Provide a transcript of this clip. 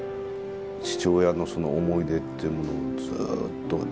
父親のその思い出っていうものをずっと。